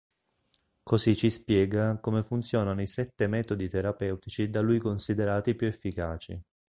Così ci spiega come funzionano i sette metodi terapeutici da lui considerati più efficaci.